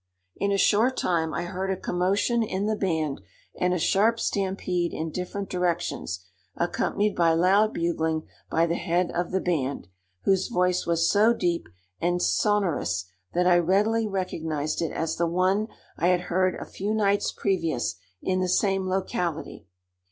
In a short time I heard a commotion in the band, and a sharp stampede in different directions, accompanied by loud bugling by the head of the band, whose voice was so deep and sonorous that I readily recognized it as the one I had heard a few nights previous in the same locality.